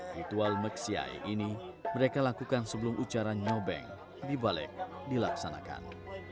ritual meksyai ini mereka lakukan sebelum ucaran nyobeng dibalik dilaksanakan